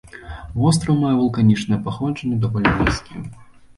Востраў мае вулканічнае паходжанне, даволі нізкі.